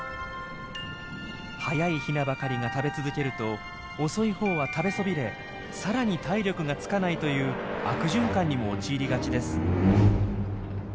速いヒナばかりが食べ続けると遅いほうは食べそびれさらに体力がつかないという悪循環にも陥りがちです。